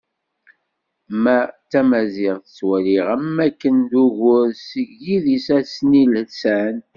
Ma d Tamaziɣt, ttwaliɣ am wakken d ugur seg yidis asnilsan.